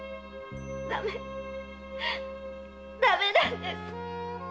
駄目駄目なんです！